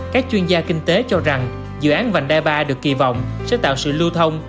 các chuyên gia kinh tế cho rằng dự án vành đai ba được kỳ vọng sẽ tạo sự lưu thông